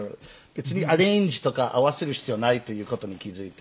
別にアレンジとか合わせる必要ないという事に気付いて。